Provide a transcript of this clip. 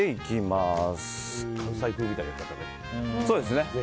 そうですね。